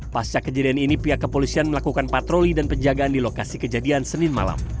pasca kejadian ini pihak kepolisian melakukan patroli dan penjagaan di lokasi kejadian senin malam